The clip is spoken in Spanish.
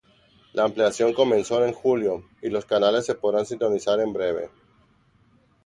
La ampliación comenzó en julio y los canales se podrán sintonizar en breve.